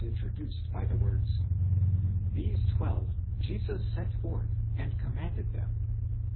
343 introduced by the words: Zhese twelve Jesus sent forth, and commanded them (v.